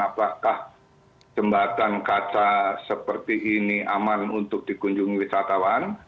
apakah jembatan kaca seperti ini aman untuk dikunjungi wisatawan